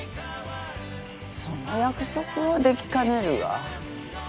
その約束はできかねるわ。